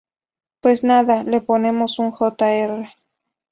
Pues nada, le ponemos un Jr.